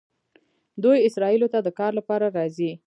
دوی اسرائیلو ته د کار لپاره راځي.